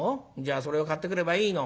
それを買ってくればいいの？」。